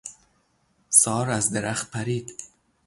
سار از درخت پرید.